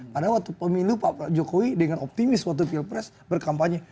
pada waktu pemilu pak jokowi dengan optimis waktu pilpres berkampanye